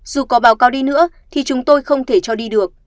dù có báo cáo đi nữa thì chúng tôi không thể cho đi được